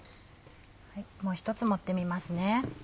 もう１つ盛ってみますね。